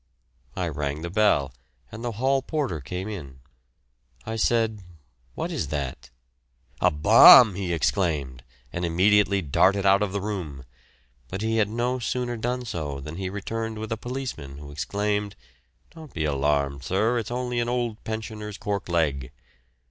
I rang the bell and the hall porter came in; I said, "What is that?" "A bomb!" he exclaimed, and immediately darted out of the room, but he had no sooner done so than he returned with a policeman, who exclaimed, "Don't be alarmed, sir, it's only an old pensioner's cork leg."